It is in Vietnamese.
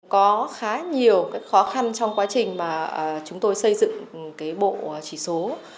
có khá nhiều khó khăn trong quá trình mà chúng tôi xây dựng cái bộ chỉ số